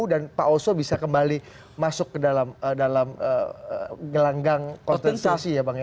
dan pak oso bisa kembali masuk ke dalam gelanggang konstitusi ya bang